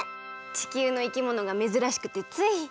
地球のいきものがめずらしくてつい。